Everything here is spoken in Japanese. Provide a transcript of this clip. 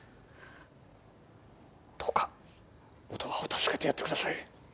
どうか音羽を助けてやってください